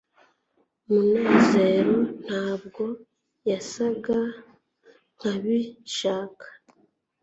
munezero ntabwo yasaga nkabishaka